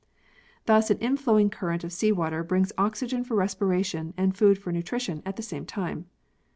Thus an inflowing current of sea water brings oxygen for respiration and food for nutrition at the same time.